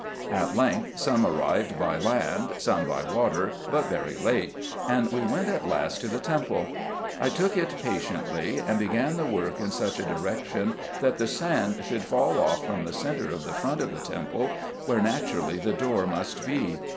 At length some arrived by land, some by water, but very late, and we went at last to the temple. I took it patiently, and began the work in such a direction, that the sand should fall off from the centre of the front of the temple, where naturally the door must be.